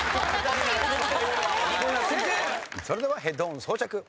それではヘッドホン装着。